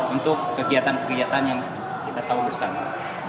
untuk kegiatan kegiatan yang kita tahu bersama